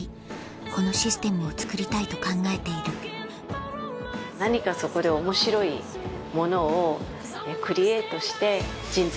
このシステムをつくりたいと考えている何かそこで面白いものをクリエイトして。